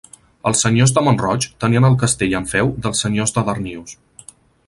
Els senyors de Mont-roig tenien el castell en feu dels senyors de Darnius.